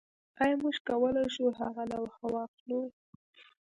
ایا موږ کولی شو هغه لوحه واخلو